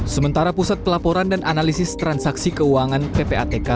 sementara pusat pelaporan dan analisis transaksi keuangan ppatk